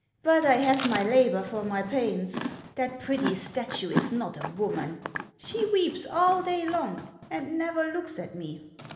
P>ut I have my labor for my pains; that pretty statue is not a woman ; she weeps all day long and never looks at me."